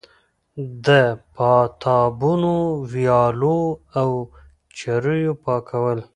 د پاتابونو، ويالو او چريو پاکول